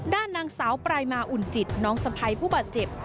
ด้านนางสาวปลายมาอุ่นจิตน้องสะพ้ายผู้บาดเจ็บ